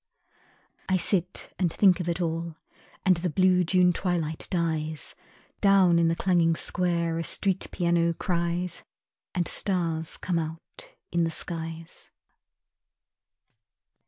I sit and think of it all, And the blue June twilight dies, Down in the clanging square A street piano cries And stars come out in the skies.